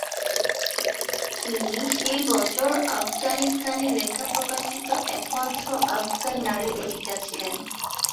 তিনি সেই বছর আফগানিস্তানে লেখা প্রকাশিত একমাত্র আফগান নারী লেখিকা ছিলেন।